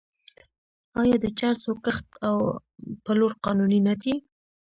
آیا د چرسو کښت او پلور قانوني نه دی؟